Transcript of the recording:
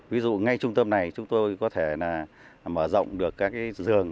ví dụ ngay trung tâm này chúng tôi có thể mở rộng được các giường